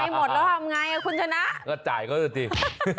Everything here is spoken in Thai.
ไม่หมดแล้วทำไงคุณจะนะก็จ่ายเขาจริง